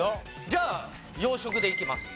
じゃあ洋食でいきます。